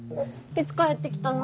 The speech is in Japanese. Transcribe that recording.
いつ帰ってきたの？